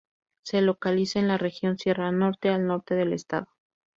Se localiza en la región Sierra Norte, al norte del estado.